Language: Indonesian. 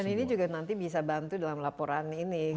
ini juga nanti bisa bantu dalam laporan ini